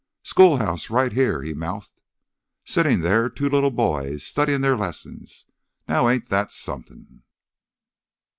"Schoolhouse ... right here ..." he mouthed. "Sittin' there ... two li'l boys, studyin' their lessons. Now, ain't that somethin'?"